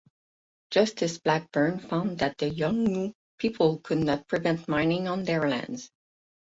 Justice Blackburn found that the Yolngu people could not prevent mining on their lands.